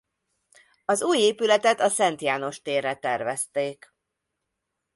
Az új épületet a Szent János térre tervezték.